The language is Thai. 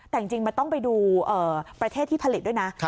แต่จริงมันต้องไปดูประเทศที่ผลิตด้วยนะ